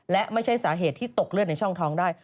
และไม่ใช่สาเหตุที่ตกเลือดในช่องท้องได้